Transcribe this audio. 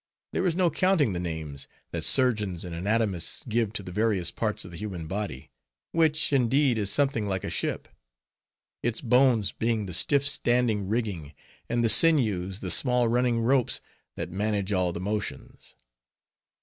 There is no counting the names, that surgeons and anatomists give to the various parts of the human body; which, indeed, is something like a ship; its bones being the stiff standing rigging, and the sinews the small running ropes, that manage all the motions.